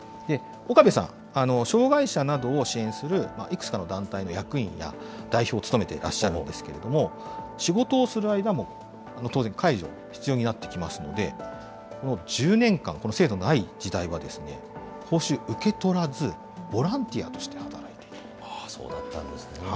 岡部さん、障害者などを支援するいくつかの団体の役員や代表を務めてらっしゃるんですけれども、仕事をする間も当然、介助、必要になってきますので、１０年間、この制度のない時代は、報酬受け取らず、ボランティアとして働いていたということなんですね。